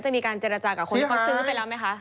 จะมีการเจรจากับคนที่เขาซื้อไปแล้วไหมคะ